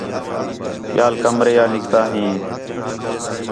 ٻِیال کمرے آ نِکتا ہیں